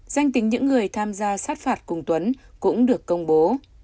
danh tính những người tham gia sát phạt cùng tuấn cũng được công bố